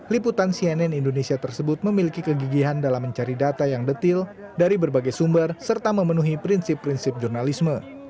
liputan cnn indonesia tersebut memiliki kegigihan dalam mencari data yang detail dari berbagai sumber serta memiliki perangkat jurnalisme